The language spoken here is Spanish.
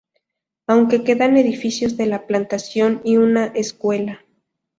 Aun quedan edificios de la plantación y una escuela.